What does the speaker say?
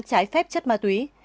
trái phép chất ma túy